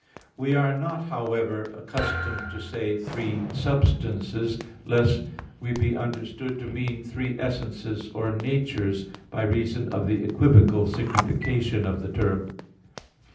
We are not, however, accustomed to say Three substances, lest we be understood to mean three essences or natures, by reason of the equivocal signification of the term.